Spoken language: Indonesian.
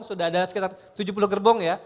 sudah ada sekitar tujuh puluh gerbong ya